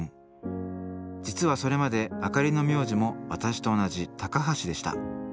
実はそれまで明里の名字も私と同じ「高橋」でした。